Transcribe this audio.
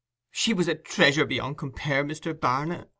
'She was a treasure beyond compare, Mr. Barnet!